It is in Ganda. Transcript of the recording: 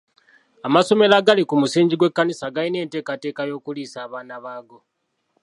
Amasomero agali ku musingi gw'ekkanisa galina enteekateka y'okuliisa abaana baago.